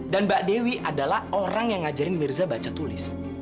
dan mbak dewi adalah orang yang ngajarin mirza baca tulis